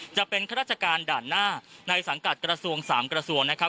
จะเป็นข้าราชการด่านหน้าในสังกัดกระทรวง๓กระทรวงนะครับ